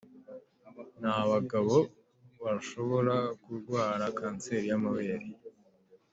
N’abagabo bashobora kurwara Kanseri y’amabere